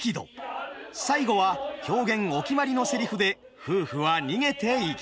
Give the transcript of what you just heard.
最後は狂言お決まりのセリフで夫婦は逃げていきます。